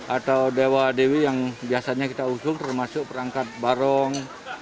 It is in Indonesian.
atau dewa dewi yang biasanya kita usung termasuk perangkat barong